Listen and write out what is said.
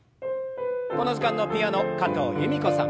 この時間のピアノ加藤由美子さん。